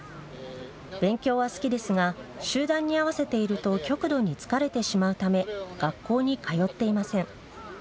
勉強は好きですが集団に合わせていると極度に疲れてしまうため学校に通っていません。